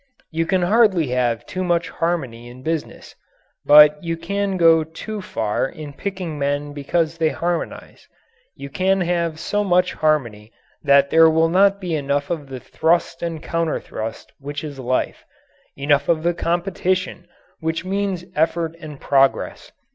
You can hardly have too much harmony in business. But you can go too far in picking men because they harmonize. You can have so much harmony that there will not be enough of the thrust and counterthrust which is life enough of the competition which means effort and progress.